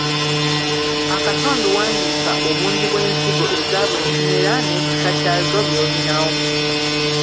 Akatundu wandiika obungi bw’ensigo eza buli kimera n’ekika kyazo by’olinawo.